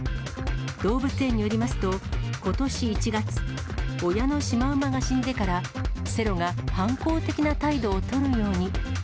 動物園によりますと、ことし１月、親のシマウマが死んでから、セロが反抗的な態度を取るように。